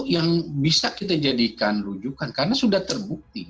yang bisa kita jadikan rujukan karena sudah terbukti